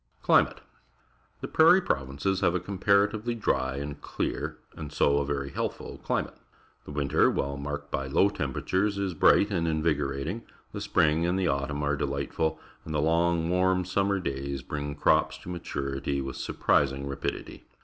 Climate. — The Prairie Pro\ances have a comparatively dry and clear, and so a very healthful climate. The winter, while marked by low temperatures, is bright and invigora ting, the spring and the autumn are delight ful, and the long, warm summer days bring crops to maturity with surprising rapidity.